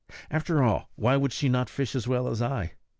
After all, why should she not fish as well as I?